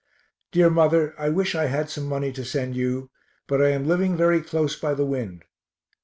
Dear mother, I wish I had some money to send you, but I am living very close by the wind.